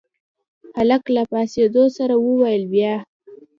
هلک له پاڅېدو سره وويل بيا.